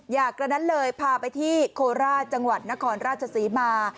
อย่างนั้นเลยพาไปที่โคราชจังหวัดนครราชศรีมา